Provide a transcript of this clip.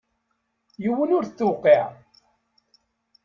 Yiwen ur t-tewqiɛ.